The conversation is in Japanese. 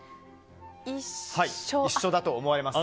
一緒だと思われます。